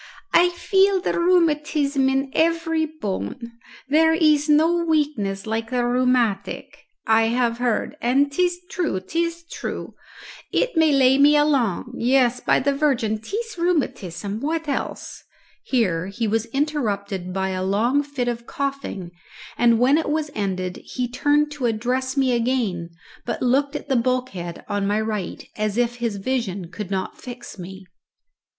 "I feel the rheumatism in every bone. There is no weakness like the rheumatic, I have heard, and 'tis true, 'tis true. It may lay me along yes, by the Virgin, 'tis rheumatism what else?" Here he was interrupted by a long fit of coughing, and when it was ended he turned to address me again, but looked at the bulkhead on my right, as if his vision could not fix me.